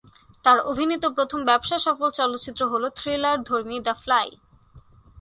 তার অভিনীত প্রথম ব্যবসা সফল চলচ্চিত্র হল থ্রিলারধর্মী "দ্য ফ্লাই"।